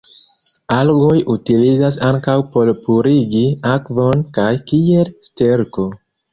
Algoj utilas ankaŭ por purigi akvon kaj kiel sterko.